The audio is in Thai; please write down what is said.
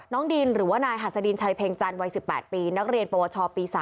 ดินหรือว่านายหัสดินชัยเพ็งจันทร์วัย๑๘ปีนักเรียนปวชปี๓